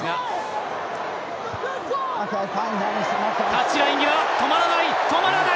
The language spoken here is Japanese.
タッチライン際、止まらない！